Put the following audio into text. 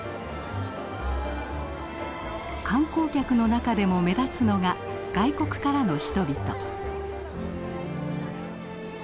観光客の中でも目立つのが外国からの人々。